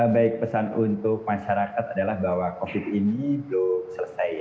baik pesan untuk masyarakat adalah bahwa covid ini belum selesai